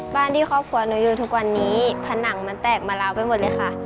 ที่ครอบครัวหนูอยู่ทุกวันนี้ผนังมันแตกมะลาวไปหมดเลยค่ะ